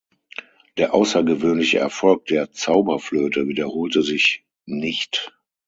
Der außergewöhnliche Erfolg der "Zauberflöte" wiederholte sich nicht.